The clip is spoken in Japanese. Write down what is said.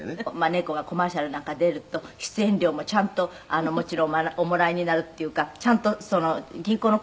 「猫はコマーシャルなんか出ると出演料もちゃんともちろんおもらいなるっていうかちゃんと銀行の口座があるんですって？」